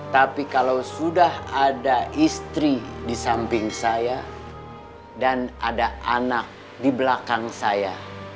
tapi kalau sudah ada istri di samping saya dan ada anak di belakang saya